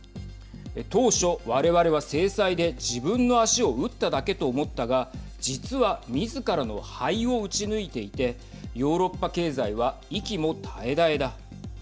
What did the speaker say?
当初、われわれは制裁で自分の足を撃っただけと思ったが実はみずからの肺を撃ち抜いていてヨーロッパ経済は息も絶え絶えだ。